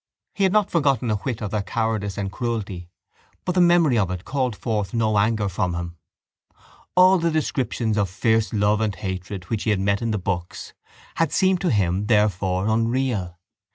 He had not forgotten a whit of their cowardice and cruelty but the memory of it called forth no anger from him. All the descriptions of fierce love and hatred which he had met in books had seemed to him therefore unreal.